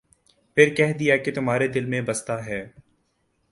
پھر کہہ دیا کہ تمھارے دل میں بستا ہے ۔